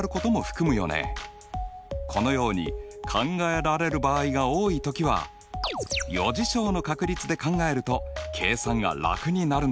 このように考えられる場合が多い時は余事象の確率で考えると計算が楽になるんだったよね。